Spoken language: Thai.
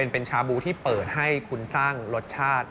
เป็นชาบูที่เปิดให้คุณสร้างรสชาติ